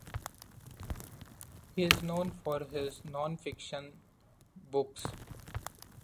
He is known for his non-fiction books.